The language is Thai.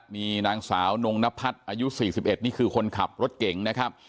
มีนางสาวนงนพัฒน์อายุ๔๑นี่คือคนขับรถเก่งนะครับ